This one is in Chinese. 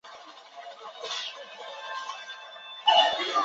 为兄弟四人中长子。